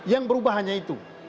yang berubah hanya itu